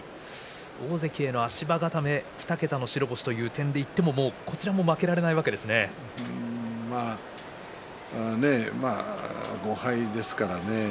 大関への足場固め２桁の白星という点でいっても５敗ですからね。